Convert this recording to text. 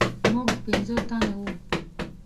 موږ پنځه تنه وو.